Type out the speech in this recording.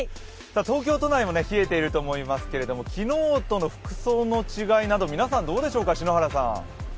東京都内も冷えていると思いますけど昨日との服装の違いなど皆さん、どうでしょうか？